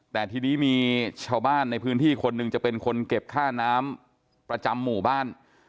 แต่ทีนี้มีชาวบ้านในพื้นที่คนหนึ่งจะเป็นคนเก็บค่าน้ำประจำหมู่บ้าน